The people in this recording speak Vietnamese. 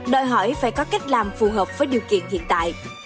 đòi hỏi phải có cách làm phù hợp với điều kiện hiện tại